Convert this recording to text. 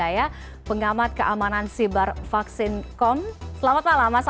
ya selamat malam